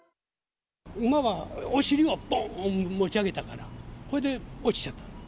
馬がお尻をぼーんと持ち上げたから、それで落ちちゃった。